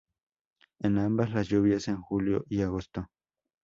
En ambas, las lluvias en julio y agosto.